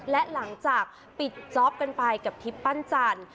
และหลังจากปิดจ๊อปกันไปกับทิพย์ปั้นจันทร์